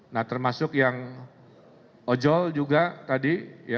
nah termasuk yang ojol juga tadi